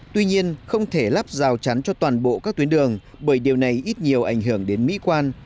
tuy nhiên không thể lắp rào chắn cho toàn bộ các tuyến đường bởi điều này ít nhiều ảnh hưởng đến mỹ quan